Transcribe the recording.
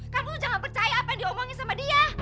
kamu tuh jangan percaya apa yang diomongin sama dia